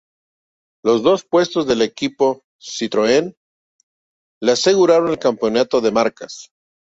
Los dos puestos del equipo Citroën le aseguraron el campeonato de marcas.